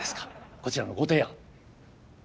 こちらのご提案。